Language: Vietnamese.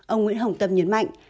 ông nguyễn hồng tâm nhấn mạnh